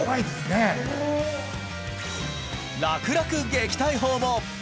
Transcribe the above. ラクラク撃退法も！